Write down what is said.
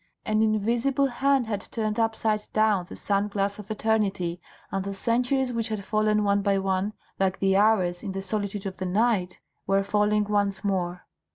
An invisible hand had turned upside down the sand glass of eternity, and the centuries which had fallen one by one, like the hours, in the solitude of the night, were falling once more.